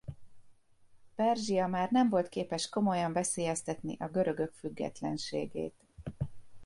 Perzsia már nem volt képes komolyan veszélyeztetni a görögök függetlenségét.